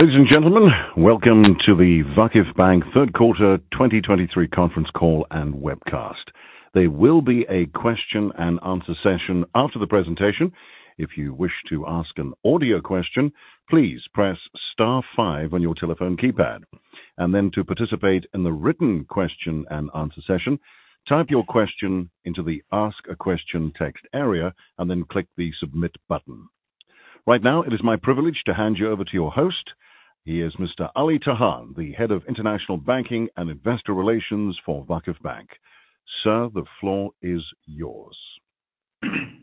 Ladies and gentlemen, welcome to The VakıfBank Third Quarter 2023 Conference Call and Webcast. There will be a question and answer session after the presentation. If you wish to ask an audio question, please press star five on your telephone keypad. To participate in the written question and answer session, type your question into the ask a question text area and then click the submit button. Right now, it is my privilege to hand you over to your host. He is Mr. Ali Tahan, the Head of International Banking and Investor Relations for VakıfBank. Sir, the floor is yours.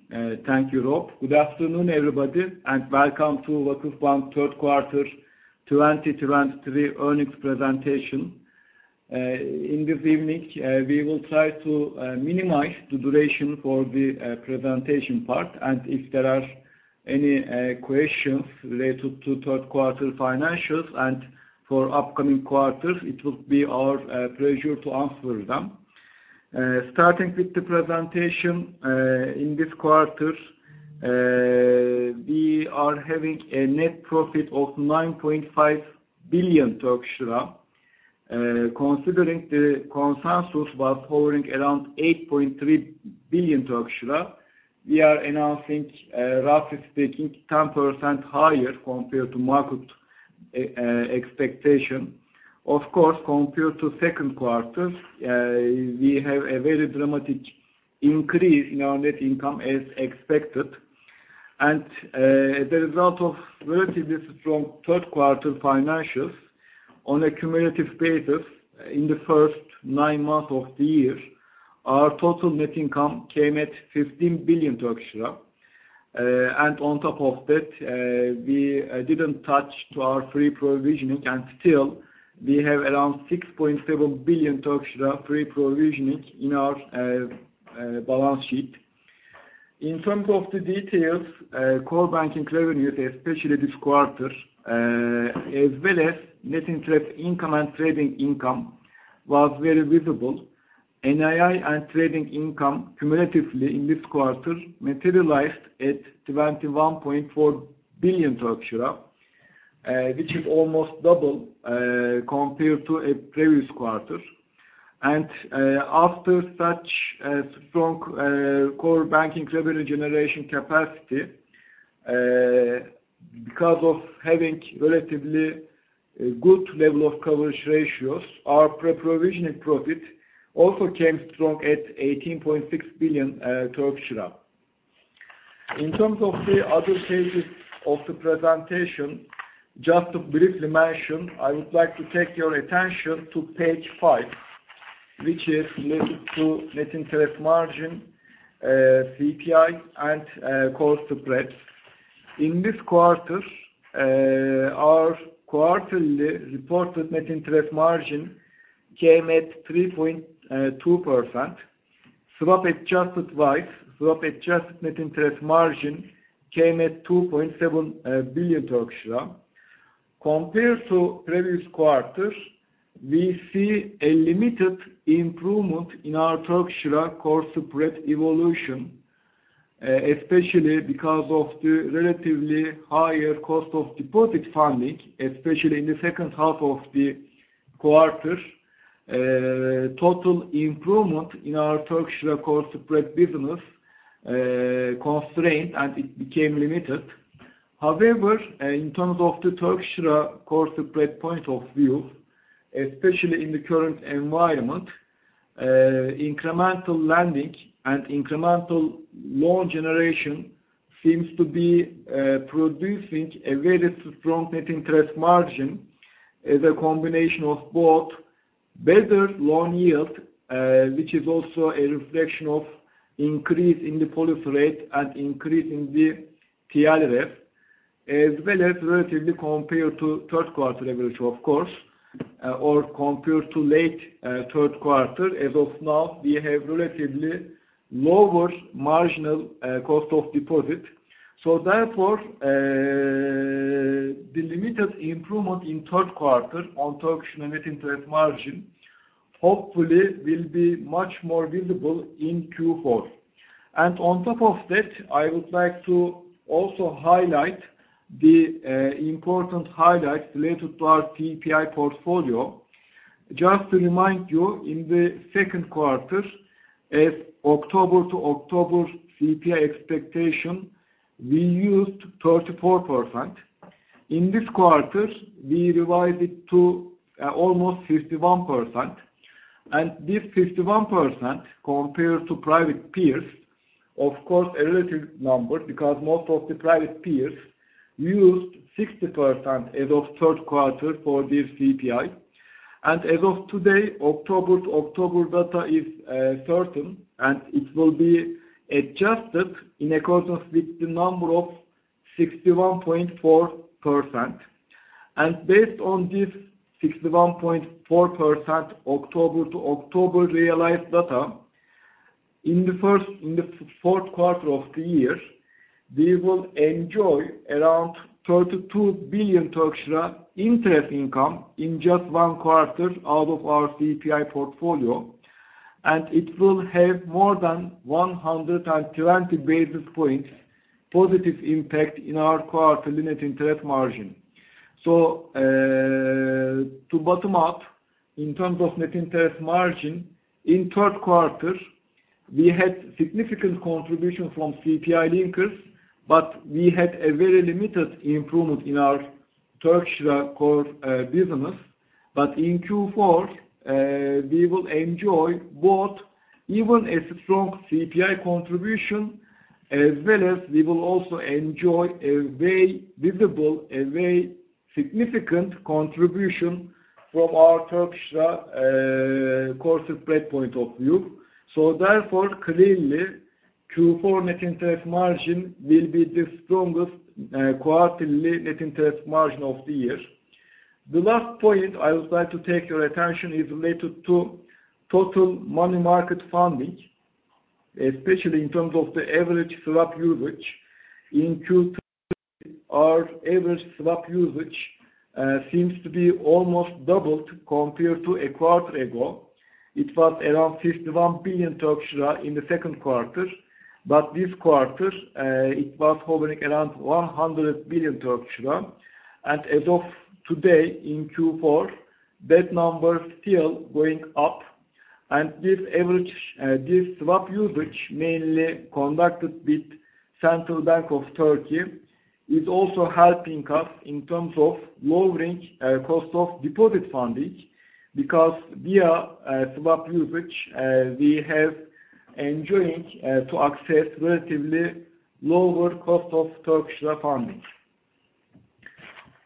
Thank you, Rob. Good afternoon, everybody, and welcome to VakıfBank Third Quarter 2023 Earnings Presentation. In this evening, we will try to minimize the duration for the presentation part. If there are any questions related to third quarter financials and for upcoming quarters, it will be our pleasure to answer them. Starting with the presentation, in this quarter, we are having a net profit of 9.5 billion Turkish lira. Considering the consensus was hovering around 8.3 billion Turkish lira, we are announcing, roughly speaking, 10% higher compared to market expectation. Of course, compared to second quarter, we have a very dramatic increase in our net income as expected. The result of relatively strong third quarter financials on a cumulative basis in the first nine months of the year, our total net income came at 15 billion Turkish lira. On top of that, we didn't touch to our pre-provisioning, and still we have around 6.7 billion pre-provisioning in our balance sheet. In terms of the details, core banking revenues, especially this quarter, as well as net interest income and trading income was very visible. NII and trading income cumulatively in this quarter materialized at 21.4 billion Turkish lira, which is almost double, compared to a previous quarter. After such a strong core banking revenue generation capacity, because of having relatively good level of coverage ratios, our pre-provisioning profit also came strong at 18.6 billion Turkish lira. In terms of the other pages of the presentation, just to briefly mention, I would like to take your attention to page 5, which is related to net interest margin, CPI and cost to spreads. In this quarter, our quarterly reported net interest margin came at 3.2%. Swap-adjusted wise, swap-adjusted net interest margin came at 2.7 billion Turkish lira. Compared to previous quarters, we see a limited improvement in our Turkish lira cost spread evolution, especially because of the relatively higher cost of deposit funding, especially in the second half of the quarter. Total improvement in our Turkish lira cost spread business, constrained and it became limited. However, in terms of the Turkish lira cost spread point of view, especially in the current environment, incremental lending and incremental loan generation seems to be producing a very strong net interest margin as a combination of both better loan yield, which is also a reflection of increase in the policy rate and increase in the TLREF, as well as relatively compared to third quarter average, of course, or compared to late third quarter. As of now, we have relatively lower marginal cost of deposit. Therefore, the limited improvement in third quarter on Turkish lira net interest margin hopefully will be much more visible in Q4. On top of that, I would like to also highlight the important highlights related to our CPI portfolio. Just to remind you, in the second quarter, as October to October CPI expectation, we used 34%. In this quarter, we revised it to almost 51%. This 51% compared to private peers, of course, a relative number because most of the private peers used 60% as of third quarter for this CPI. As of today, October to October data is certain, and it will be adjusted in accordance with the number of 61.4%. Based on this 61.4% October to October realized data, in the fourth quarter of the year, we will enjoy around 32 billion Turkish lira interest income in just one quarter out of our CPI portfolio. It will have more than 120 basis points positive impact in our quarterly net interest margin. To bottom up, in terms of net interest margin, in third quarter, we had significant contribution from CPI linkers, but we had a very limited improvement in our Turkish lira core business. In Q4, we will enjoy both even a strong CPI contribution, as well as we will also enjoy a very visible, a very significant contribution from our Turkish lira core spread point of view. Therefore, clearly, Q4 net interest margin will be the strongest quarterly net interest margin of the year. The last point I would like to take your attention is related to total money market funding, especially in terms of the average swap usage. In Q3, our average swap usage seems to be almost doubled compared to a quarter ago. It was around 51 billion Turkish lira in the second quarter, but this quarter, it was hovering around TRY 100 billion. As of today in Q4, that number still going up. This average, this swap usage mainly conducted with Central Bank of Turkey, is also helping us in terms of lowering cost of deposit funding. Because via swap usage, we have enjoying to access relatively lower cost of Turkish lira funding.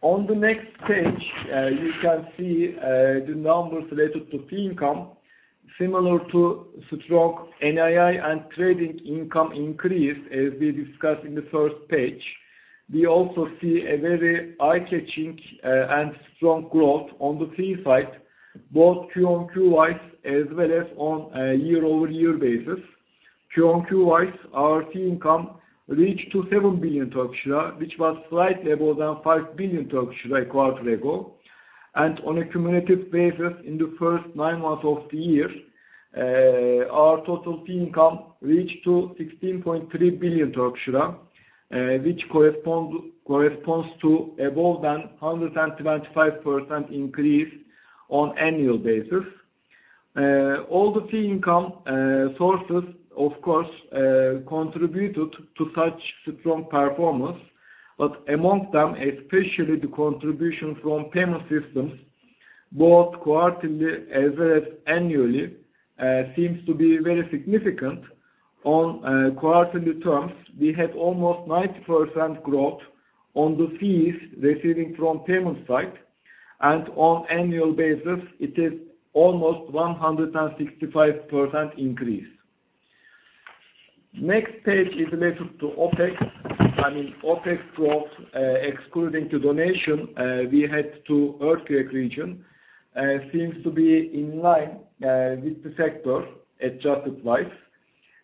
On the next page, you can see the numbers related to fee income. Similar to strong NII and trading income increase, as we discussed in the first page. We also see a very eye-catching and strong growth on the fee side, both Q-on-Q-wise as well as on a year-over-year basis. Q-on-Q-wise, our fee income reached to 7 billion Turkish lira, which was slightly above than 5 billion Turkish lira a quarter ago. On a cumulative basis in the first nine months of the year, our total fee income reached to 16.3 billion Turkish lira, which corresponds to above than 125% increase on annual basis. All the fee income sources, of course, contributed to such strong performance. Amongst them, especially the contribution from payment systems, both quarterly as well as annually, seems to be very significant. On quarterly terms, we had almost 90% growth on the fees receiving from payment side. On annual basis, it is almost 165% increase. Next page is related to OpEx. I mean, OpEx growth, excluding the donation to the earthquake region, seems to be in line with the sector adjusted for inflation.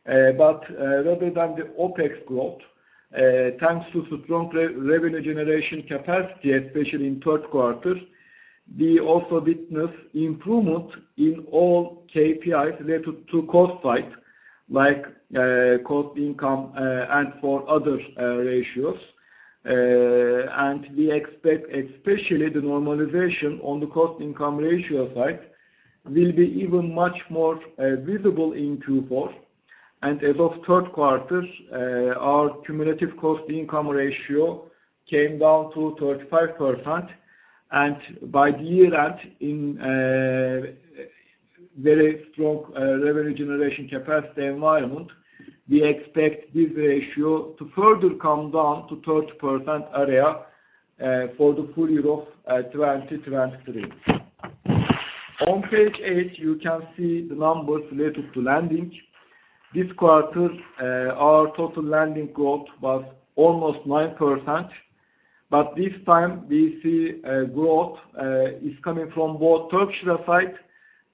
Rather than the OpEx growth, thanks to strong revenue generation capacity, especially in third quarter, we also witness improvement in all KPIs related to cost side, like cost income and other ratios. We expect especially the normalization on the cost income ratio side will be even much more visible in Q4. As of third quarter, our cumulative cost income ratio came down to 35%. By the year end, in very strong revenue generation capacity environment, we expect this ratio to further come down to 30% area for the full year of 2023. On page eight, you can see the numbers related to lending. This quarter, our total lending growth was almost 9%. This time we see growth is coming from both Turkish lira side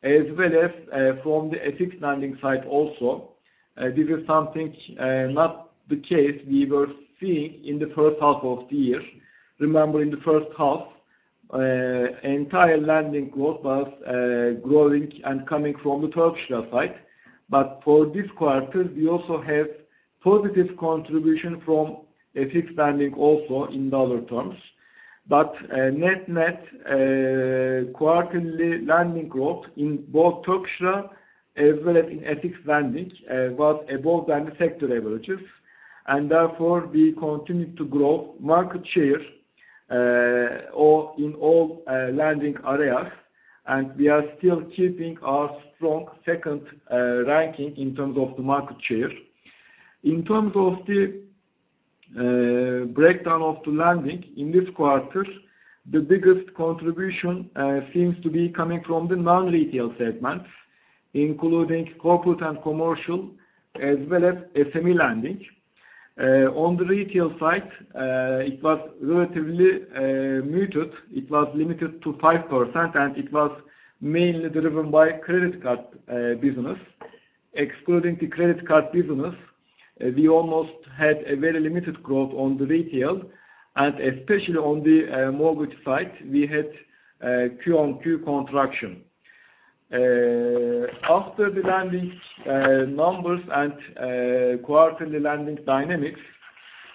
as well as from the FX lending side also. This is something not the case we were seeing in the first half of the year. Remember in the first half, entire lending growth was growing and coming from the Turkish lira side. For this quarter, we also have positive contribution from FX lending also in dollar terms. Net-net, quarterly lending growth in both Turkish lira as well as in FX lending was above than the sector averages. Therefore, we continued to grow market share or in all lending areas. We are still keeping our strong second ranking in terms of the market share. In terms of the breakdown of the lending in this quarter, the biggest contribution seems to be coming from the non-retail segment, including corporate and commercial, as well as SME lending. On the retail side, it was relatively muted. It was limited to 5%, and it was mainly driven by credit card business. Excluding the credit card business, we almost had a very limited growth on the retail and especially on the mortgage side, we had Q-on-Q contraction. After the lending numbers and quarterly lending dynamics,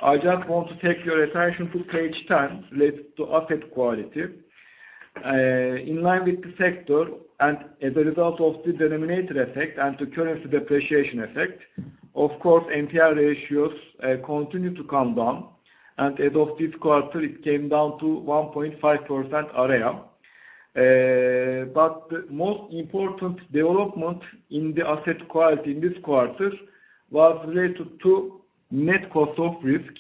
I just want to take your attention to page 10 related to asset quality. In line with the sector and as a result of the denominator effect and the currency depreciation effect, of course, NPL ratios continue to come down. As of this quarter, it came down to 1.5% area. The most important development in the asset quality in this quarter was related to net cost of risk.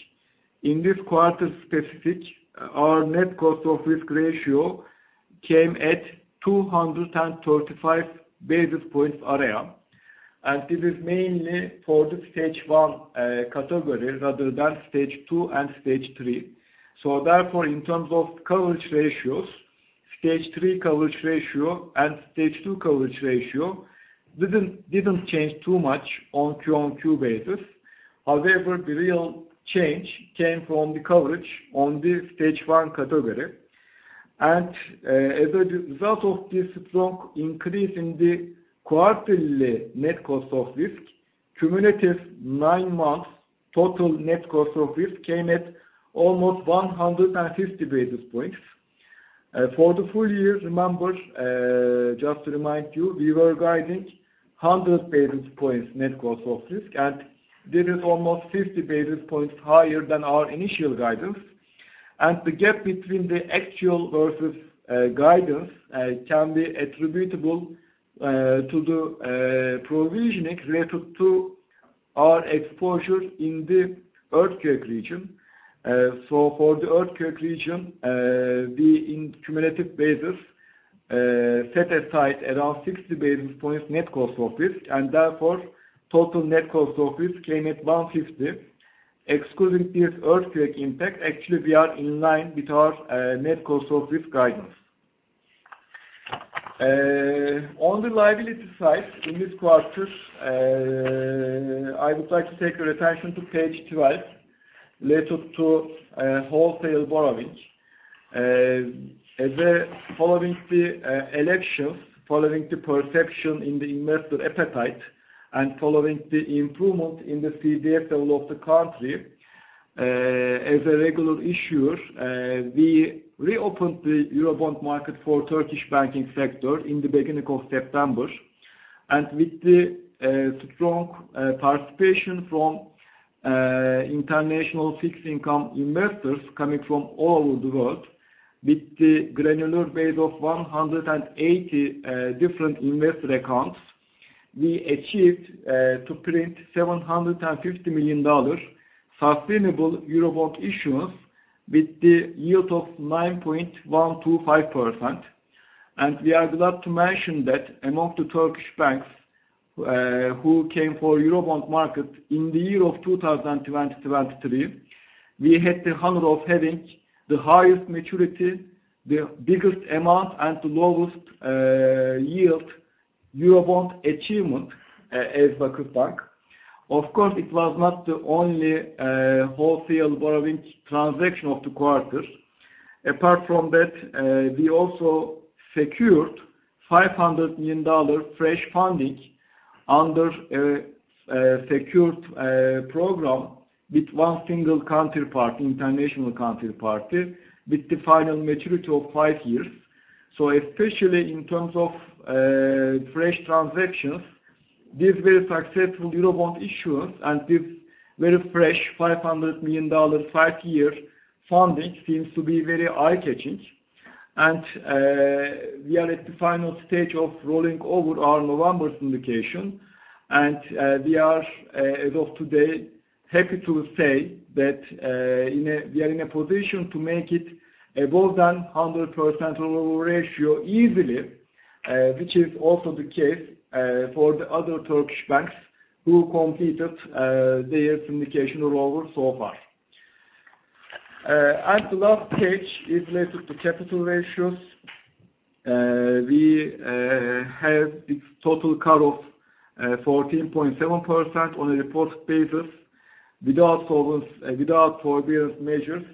In this quarter specifically, our net cost of risk ratio came at 235 basis points area. This is mainly for the Stage 1 category rather than Stage 2 and Stage 3. Therefore, in terms of coverage ratios, Stage 3 coverage ratio and Stage 2 coverage ratio didn't change too much on Q-on-Q basis. However, the real change came from the coverage on the Stage 1 category. As a result of this strong increase in the quarterly net cost of risk, cumulative nine months total net cost of risk came at almost 150 basis points. For the full year, remember, just to remind you, we were guiding 100 basis points net cost of risk, and this is almost 50 basis points higher than our initial guidance. The gap between the actual versus guidance can be attributable to the provisioning related to our exposure in the earthquake region. For the earthquake region, we in cumulative basis set aside around 60 basis points net cost of risk, and therefore total net cost of risk came at 150. Excluding this earthquake impact, actually we are in line with our net cost of risk guidance. On the liability side in this quarter, I would like to take your attention to page 12 related to wholesale borrowings. Following the elections, following the perception in the investor appetite, and following the improvement in the CDS level of the country, as a regular issuer, we reopened the Eurobond market for Turkish banking sector in the beginning of September. With the strong participation from international fixed income investors coming from all over the world with the granular base of 180 different investor accounts, we achieved to print $750 million sustainable Eurobond issuance with the yield of 9.125%. We are glad to mention that among the Turkish banks who came for Eurobond market in the year of 2023, we had the honor of having the highest maturity, the biggest amount and the lowest yield Eurobond achievement as VakıfBank. Of course, it was not the only wholesale borrowing transaction of the quarter. Apart from that, we also secured $500 million fresh funding under a secured program with one single counterparty, international counterparty with the final maturity of five years. So especially in terms of fresh transactions, this very successful Eurobond issuance and this very fresh $500 million five-year funding seems to be very eye-catching. We are at the final stage of rolling over our November syndication. We are, as of today, happy to say that we are in a position to make it above 100% overall ratio easily. Which is also the case for the other Turkish banks who completed their syndication rollover so far. The last page is related to capital ratios. We have the total CAR of 14.7% on a reported basis. Without forbearance measures,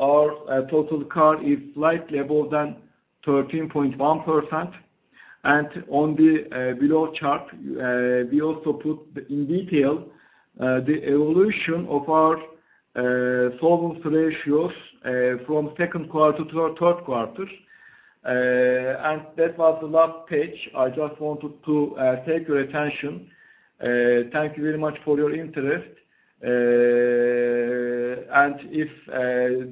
our total CAR is slightly above than 13.1%. On the below chart, we also put in detail the evolution of our solvency ratios from second quarter to our third quarter. That was the last page. I just wanted to take your attention. Thank you very much for your interest. If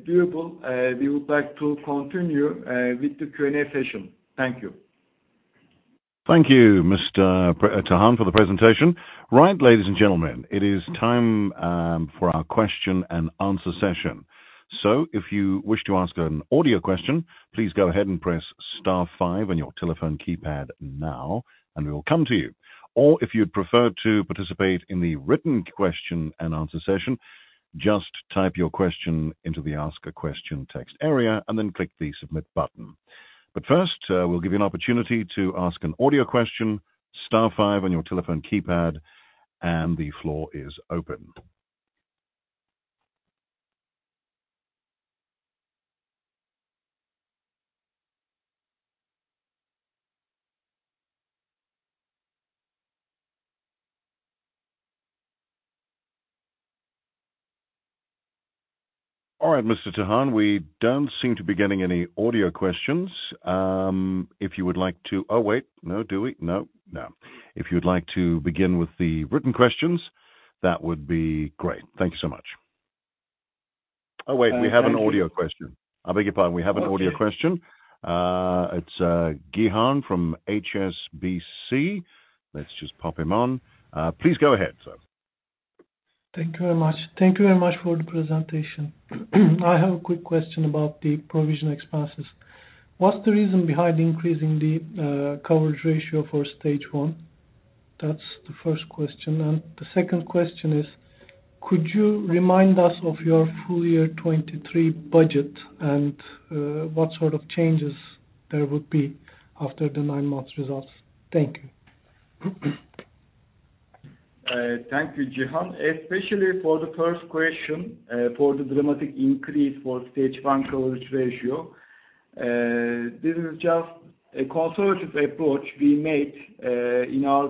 doable, we would like to continue with the Q&A session. Thank you. Thank you, Mr. Tahan, for the presentation. Right, ladies and gentlemen, it is time for our question and answer session. If you wish to ask an audio question, please go ahead and press star five on your telephone keypad now and we will come to you. If you'd prefer to participate in the written question and answer session, just type your question into the ask a question text area and then click the Submit button. First, we'll give you an opportunity to ask an audio question. Star five on your telephone keypad and the floor is open. All right, Mr. Tahan, we don't seem to be getting any audio questions. If you'd like to begin with the written questions, that would be great. Thank you so much. We have an audio question. It's Gihan from HSBC. Let's just pop him on. Please go ahead, sir. Thank you very much. Thank you very much for the presentation. I have a quick question about the provision expenses. What's the reason behind increasing the coverage ratio for Stage 1? That's the first question. The second question is, could you remind us of your full year 2023 budget and what sort of changes there would be after the nine months results? Thank you. Thank you, Gihan. Especially for the first question, for the dramatic increase for Stage 1 coverage ratio. This is just a conservative approach we made in our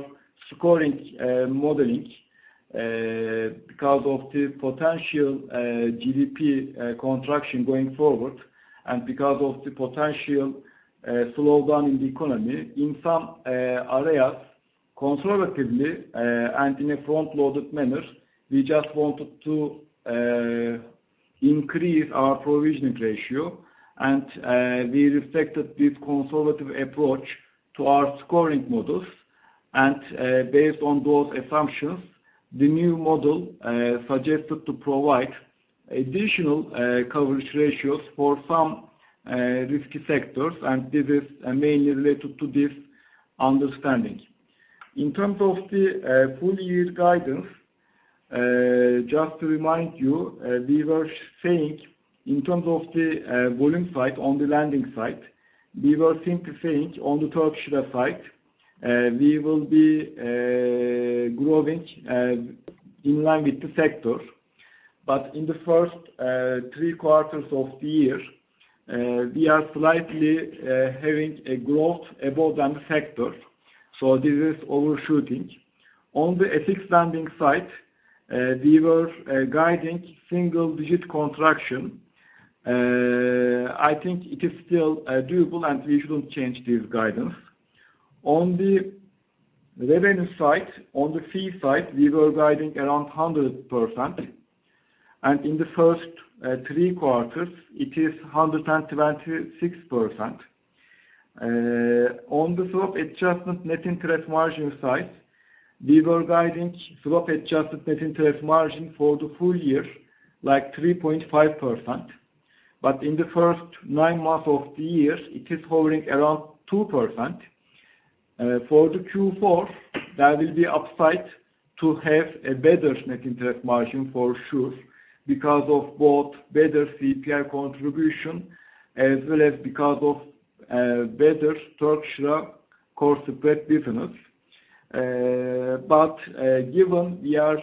scoring modeling because of the potential GDP contraction going forward and because of the potential slowdown in the economy in some areas conservatively and in a front-loaded manner. We just wanted to increase our provisioning ratio. We reflected this conservative approach to our scoring models. Based on those assumptions, the new model suggested to provide additional coverage ratios for some risky sectors, and this is mainly related to this understanding. In terms of the full year guidance, just to remind you, we were saying in terms of the volume side, on the lending side, we were simply saying on the Turkish side, we will be growing in line with the sector. In the first three quarters of the year, we are slightly having a growth above than the sector, so this is overshooting. On the FX lending side, we were guiding single digit contraction. I think it is still doable and we shouldn't change this guidance. On the revenue side, on the fee side, we were guiding around 100%, and in the first three quarters it is 126%. On the swap adjustment net interest margin side, we were guiding slope adjusted net interest margin for the full year, like 3.5%. In the first nine months of the year it is hovering around 2%. For Q4 that will be upside to have a better net interest margin for sure because of both better CPI contribution as well as because of better Turkish core spread business. Given we are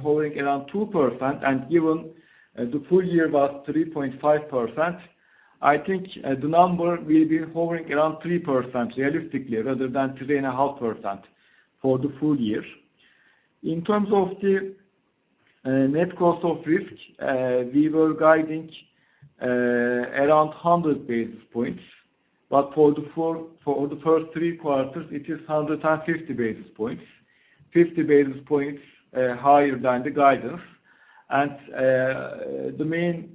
hovering around 2% and given the full year was 3.5%, I think the number will be hovering around 3% realistically rather than 3.5% for the full year. In terms of the net cost of risk, we were guiding around 100 basis points. For the first three quarters it is 150 basis points. 50 basis points higher than the guidance. The main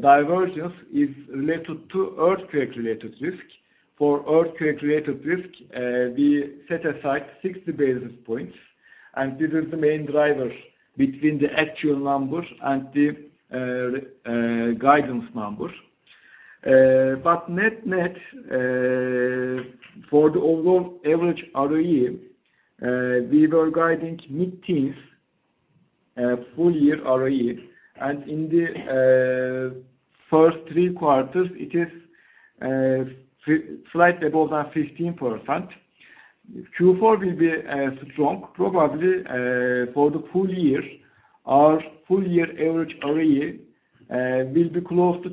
divergence is related to earthquake-related risk. For earthquake-related risk, we set aside 60 basis points, and this is the main driver between the actual number and the guidance number. Net-net, for the overall average ROE, we were guiding mid-teens full year ROE. In the first three quarters it is slightly above 15%. Q4 will be strong probably for the full year. Our full year average ROE will be close to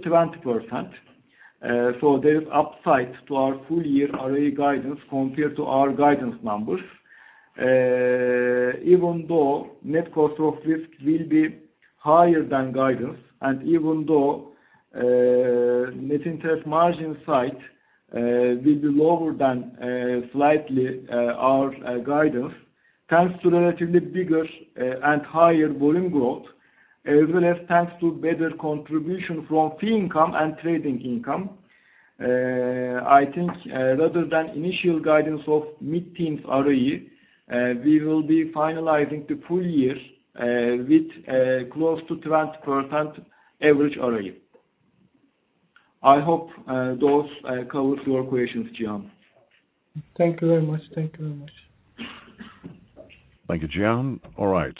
20%. There is upside to our full year ROE guidance compared to our guidance numbers. Even though net cost of risk will be higher than guidance and even though net interest margin side will be lower than slightly our guidance, thanks to relatively bigger and higher volume growth, as well as thanks to better contribution from fee income and trading income, I think rather than initial guidance of mid-teens ROE, we will be finalizing the full year with close to 20% average ROE. I hope those covers your questions, Gihan. Thank you very much. Thank you very much. Thank you, Gihan. All right.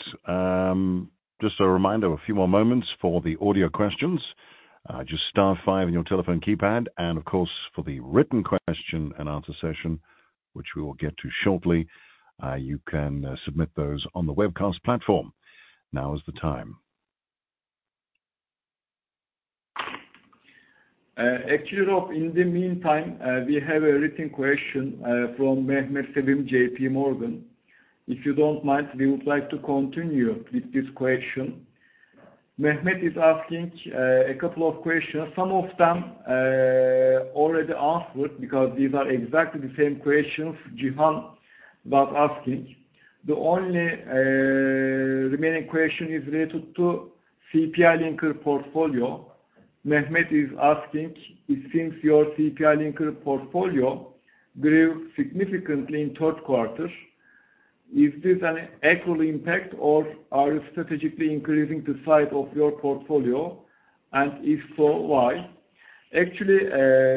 Just a reminder, a few more moments for the audio questions. Just star five on your telephone keypad. Of course, for the written question and answer session, which we will get to shortly, you can submit those on the webcast platform. Now is the time. Actually, Rob, in the meantime, we have a written question from Mehmet Sevim, J.P. Morgan. If you don't mind, we would like to continue with this question. Mehmet is asking a couple of questions. Some of them already answered because these are exactly the same questions Gihan was asking. The only remaining question is related to CPI-linked portfolio. Mehmet is asking, it seems your CPI-linked portfolio grew significantly in third quarter. Is this an accrual impact, or are you strategically increasing the size of your portfolio, and if so, why? Actually,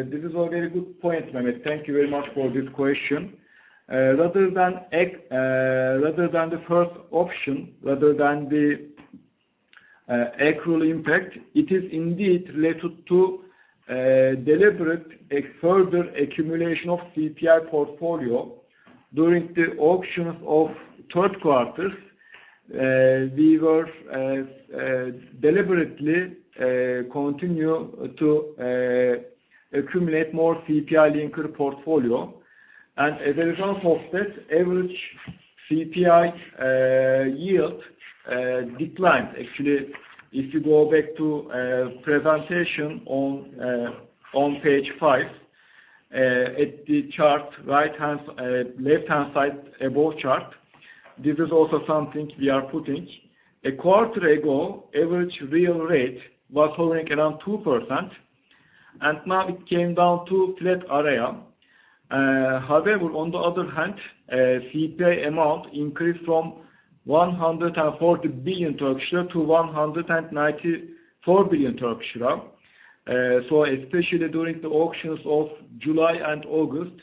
this is a very good point, Mehmet. Thank you very much for this question. Rather than the first option, rather than the accrual impact, it is indeed related to a deliberate further accumulation of CPI portfolio. During the auctions of third quarter, we were deliberately continue to accumulate more CPI-linked portfolio. As a result of this, average CPI yield declined. Actually, if you go back to presentation on page five at the chart, right-hand left-hand side above chart, this is also something we are putting. A quarter ago, average real rate was hovering around 2%, and now it came down to flat area. However, on the other hand, CPI amount increased from 140 billion Turkish lira to 194 billion Turkish lira. Especially during the auctions of July and August,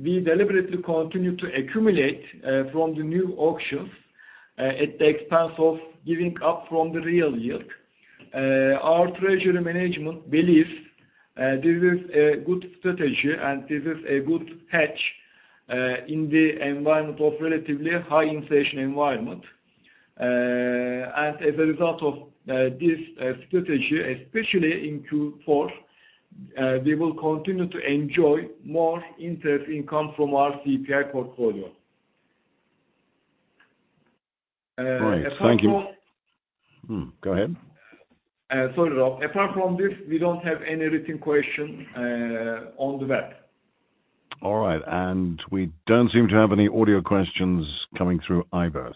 we deliberately continued to accumulate from the new auctions at the expense of giving up from the real yield. Our treasury management believes this is a good strategy, and this is a good hedge in the environment of relatively high inflation environment. As a result of this strategy, especially in Q4, we will continue to enjoy more interest income from our CPI portfolio. Apart from- All right. Thank you. Go ahead. Sorry, Rob. Apart from this, we don't have any written question on the back. All right. We don't seem to have any audio questions coming through either.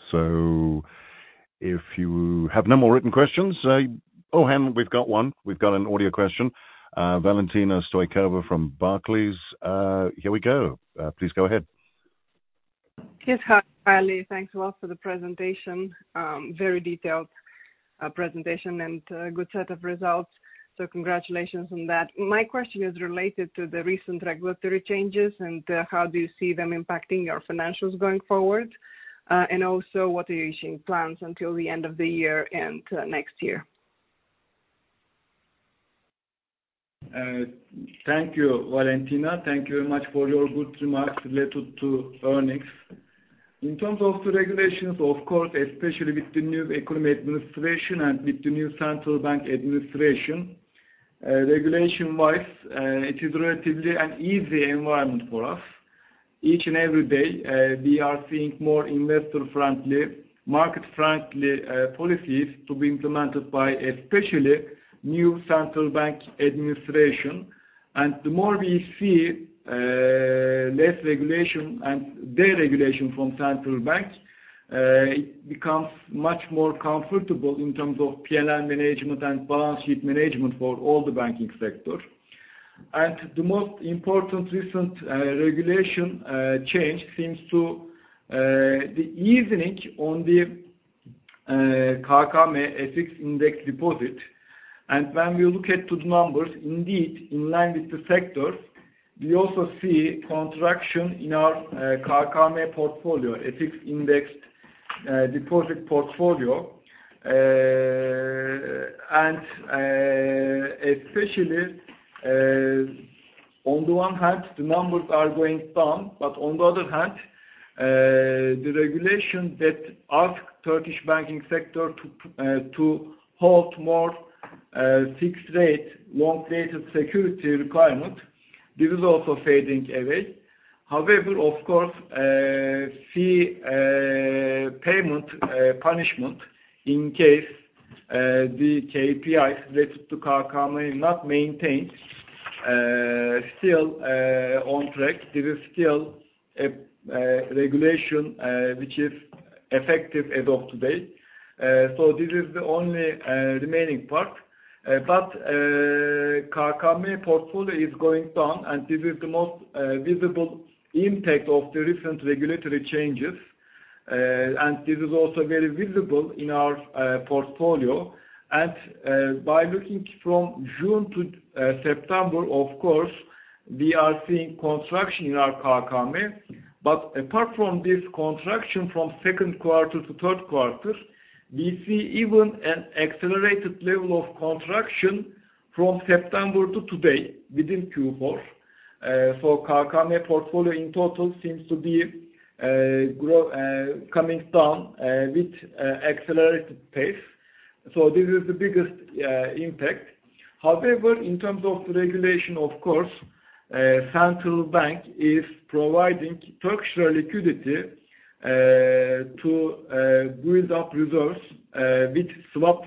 If you have no more written questions. Oh, hang on, we've got one. We've got an audio question. Valentina Stoykova from Barclays. Here we go. Please go ahead. Yes, hi Ali. Thanks a lot for the presentation. Very detailed presentation and good set of results, so congratulations on that. My question is related to the recent regulatory changes, and how do you see them impacting your financials going forward? Also, what are your plans until the end of the year and next year? Thank you, Valentina. Thank you very much for your good remarks related to earnings. In terms of the regulations, of course, especially with the new economic administration and with the new central bank administration, regulation-wise, it is a relatively easy environment for us. Each and every day, we are seeing more investor-friendly, market-friendly policies to be implemented by especially new central bank administration. The more we see, less regulation and deregulation from central banks, it becomes much more comfortable in terms of PNL management and balance sheet management for all the banking sector. The most important recent regulation change seems to be the easing on the KKM FX-indexed deposit. When we look at the numbers, indeed, in line with the sector, we also see contraction in our KKM portfolio, FX-indexed deposit portfolio. Especially, on the one hand, the numbers are going down. On the other hand, the regulation that asks the Turkish banking sector to hold more fixed rate, long-dated security requirement, this is also fading away. However, of course, fine, penalty, punishment in case the KPIs related to KKM not maintained still on track. This is still a regulation which is effective as of today. This is the only remaining part. KKM portfolio is going down, and this is the most visible impact of the recent regulatory changes. This is also very visible in our portfolio. By looking from June to September, of course, we are seeing contraction in our KKM. Apart from this contraction from second quarter to third quarter, we see even an accelerated level of contraction from September to today within Q4. KKM portfolio in total seems to be coming down with an accelerated pace. This is the biggest impact. However, in terms of regulation, of course, Central Bank is providing Turkish liquidity to build up reserves with swap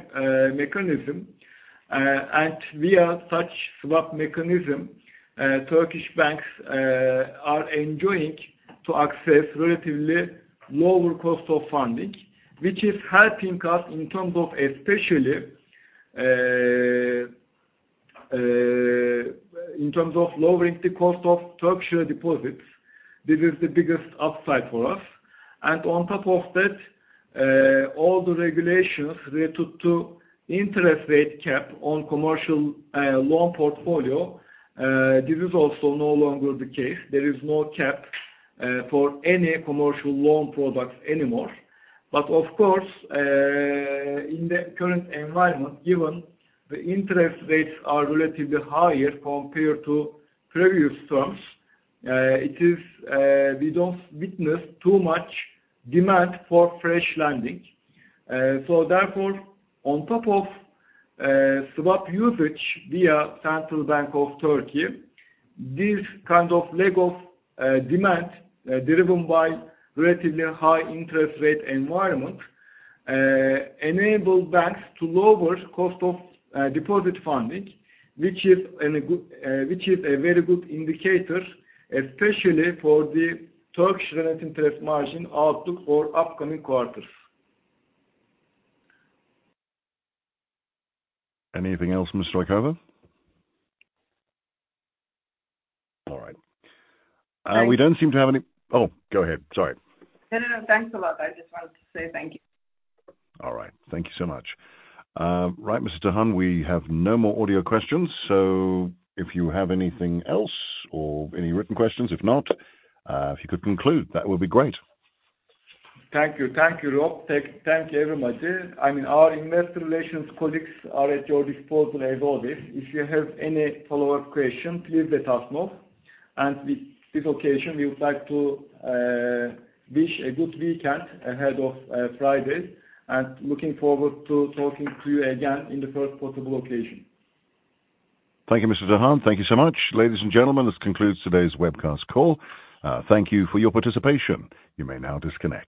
mechanism. Via such swap mechanism, Turkish banks are enjoying to access relatively lower cost of funding, which is helping us in terms of especially in terms of lowering the cost of Turkish deposits. This is the biggest upside for us. On top of that, all the regulations related to interest rate cap on commercial loan portfolio, this is also no longer the case. There is no cap for any commercial loan products anymore. Of course, in the current environment, given the interest rates are relatively higher compared to previous terms, we don't witness too much demand for fresh lending. Therefore, on top of swap usage via Central Bank of Turkey, this kind of lack of demand driven by relatively high interest rate environment enable banks to lower cost of deposit funding, which is a very good indicator, especially for the Turkish net interest margin outlook for upcoming quarters. Anything else, Ms. Stoykova? All right. Thanks. Oh, go ahead, sorry. No, no, thanks a lot. I just wanted to say thank you. All right. Thank you so much. Right, Mr. Tahan, we have no more audio questions, so if you have anything else or any written questions. If not, if you could conclude, that would be great. Thank you. Thank you, Rob. Thank you very much. I mean, our investor relations colleagues are at your disposal as always. If you have any follow-up question, please let us know. With this occasion, we would like to wish a good weekend ahead of Friday and looking forward to talking to you again in the first possible occasion. Thank you, Mr. Tahan. Thank you so much. Ladies and gentlemen, this concludes today's webcast call. Thank you for your participation. You may now disconnect.